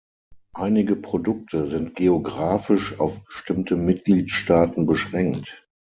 Einige Produkte sind geographisch auf bestimmte Mitgliedstaaten beschränkt.